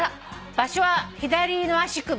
「場所は左の足首」